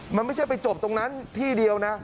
มันไม่ใช่ไปจบตรงนั้นที่เดียวนะ